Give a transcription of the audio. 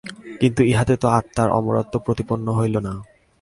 কিন্তু ইহাতে তো আত্মার অমরত্ব প্রতিপন্ন হইল না।